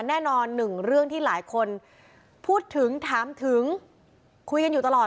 แน่นอนหนึ่งเรื่องที่หลายคนพูดถึงถามถึงคุยกันอยู่ตลอด